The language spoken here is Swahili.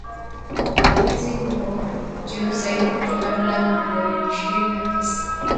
kwa mwezi huo juu zaidi kutoka dola milioni ishirini na tisa